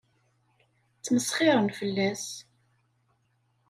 Ttmesxiṛen fell-as.